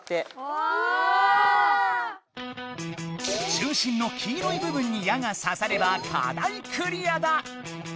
中心の黄色い部分に矢がさされば課題クリアだ！